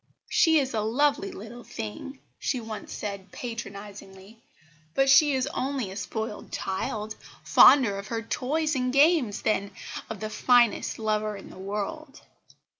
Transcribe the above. "She is a lovely little thing," she once said patronisingly, "but she is only a spoiled child, fonder of her toys and games than of the finest lover in the world."